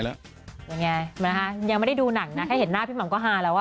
เป็นไงนะคะยังไม่ได้ดูหนังนะแค่เห็นหน้าพี่หม่ำก็ฮาแล้วอ่ะ